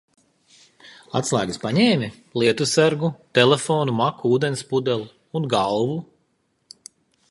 Atslēgas paņēmi? Lietussargu? Telefonu, maku, ūdens pudeli? Un galvu?